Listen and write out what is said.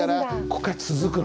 ここから続くの。